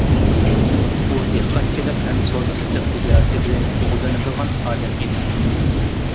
ئۇ دېھقانچىلىق ھەم سودا-سېتىق تىجارىتى بىلەن شۇغۇللىنىدىغان ئادەم ئىدى.